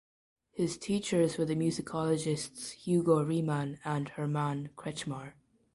His teachers were the musicologists Hugo Riemann and Hermann Kretzschmar.